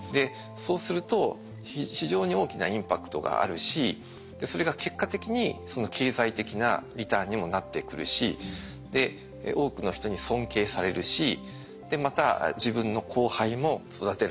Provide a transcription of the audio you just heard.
そうすると非常に大きなインパクトがあるしそれが結果的に経済的なリターンにもなってくるし多くの人に尊敬されるしまた自分の後輩も育てられる。